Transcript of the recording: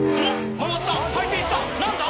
回った回転した何だ？